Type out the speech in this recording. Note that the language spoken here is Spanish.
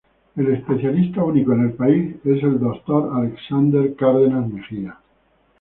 El especialista único en el país es el doctor Alexander Cárdenas Mejía.